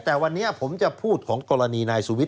แต่วันนี้ผมจะพูดของกรณีนายสุวิทย